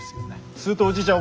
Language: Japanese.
するとおじいちゃん